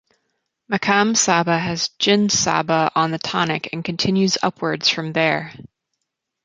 Maqam Saba has Jins Saba on the tonic and continues upwards from there.